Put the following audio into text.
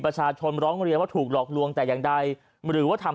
ประชาชนร้องเรียนว่าถูกหลอกลวงแต่อย่างใดหรือว่าทำ